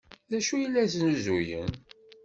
D acu ay la snuzuyen?